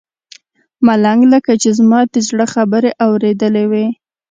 ملنګ لکه چې زما د زړه خبره اورېدلې وي.